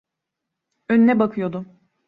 Önüne bakıyordu.